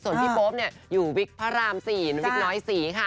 ส่วนพี่โป๊ปอยู่วิกพระราม๔วิกน้อยศรีค่ะ